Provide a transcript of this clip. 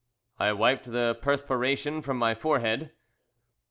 I wiped the perspiration from my forehead.